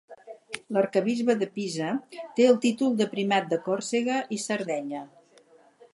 L'arquebisbe de Pisa té el títol de Primat de Còrsega i Sardenya.